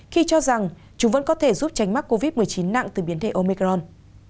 khi cho rằng chúng vẫn có thể giúp tránh mắc covid một mươi chín nặng từ biến thể omecron